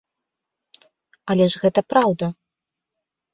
Але ж гэта праўда!